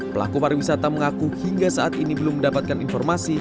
pelaku pariwisata mengaku hingga saat ini belum mendapatkan informasi